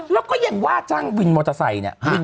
แล้วก็ยังว่าจ้างวินมอเตอร์ไซค์เนี่ย